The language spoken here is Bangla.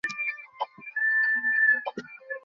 তিনি প্রথম শ্রেণি লাভ করেন।